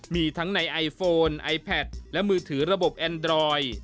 มีทั้งในไอโฟนไอแพทและมือถือระบบแอนดรอย